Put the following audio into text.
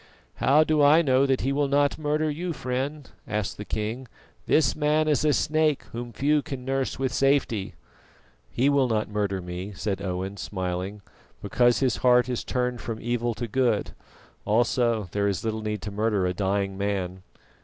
"How do I know that he will not murder you, friend?" asked the king. "This man is a snake whom few can nurse with safety." "He will not murder me," said Owen smiling, "because his heart is turned from evil to good; also, there is little need to murder a dying man."